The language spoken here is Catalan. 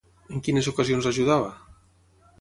En quines ocasions l'ajudava?